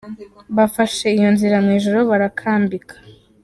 Bafashe iyo nzira mu ijoro barakambika.